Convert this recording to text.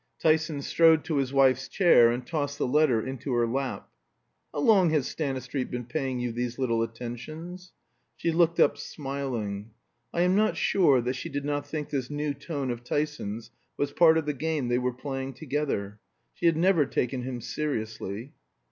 Tyson strode to his wife's chair and tossed the letter into her lap. "How long has Stanistreet been paying you these little attentions?" She looked up smiling. I am not sure that she did not think this new tone of Tyson's was part of the game they were playing together. She had never taken him seriously.